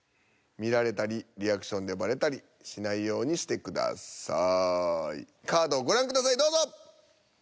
見られたりリアクションでばれたりしないようにしてください。